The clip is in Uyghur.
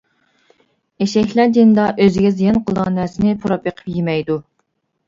ئېشەكلەر جېنىدا ئۆزىگە زىيان قىلىدىغان نەرسىنى پۇراپ بېقىپ يېمەيدۇ.